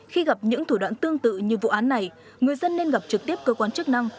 khi gặp những thủ đoạn tương tự như vụ án này người dân nên gặp trực tiếp cơ quan chức năng